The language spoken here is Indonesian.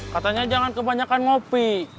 katanya jangan kebanyakan ngopi